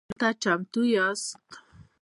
ایا بدلون ته چمتو یاست؟